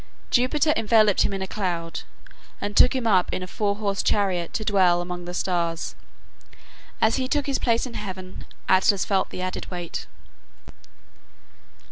Jupiter enveloped him in a cloud, and took him up in a four horse chariot to dwell among the stars. As he took his place in heaven, Atlas felt the added weight.